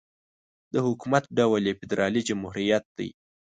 د حکومت ډول یې فدرالي جمهوريت دی.